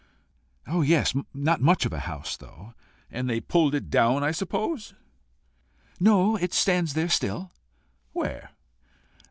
"Oh! yes not much of a house, though." "And they pulled it down, I suppose." "No; it stands there still." "Where?"